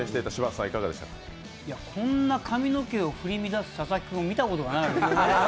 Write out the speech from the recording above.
こんな髪の毛を振り乱す佐々木君を見たことない。